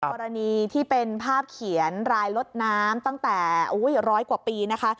กรณีที่เป็นภาพเขียนรายลดน้ำตั้งแต่ร้อยกว่าปีนะคะ